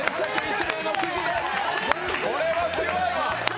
これはすごいわ。